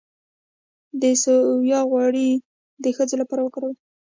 د سویا غوړي د ښځو لپاره وکاروئ